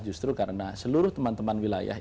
justru karena seluruh teman teman wilayah